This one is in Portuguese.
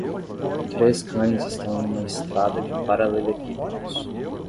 Três cães estão em uma estrada de paralelepípedos.